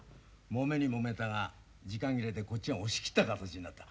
もめにもめたが時間切れでこっちが押し切った形になった。